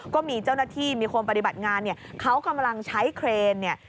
ก็มีเจ้าหน้าที่มีคนปฏิบัติงานเนี่ยเขากำลังใช้เครนเนี่ย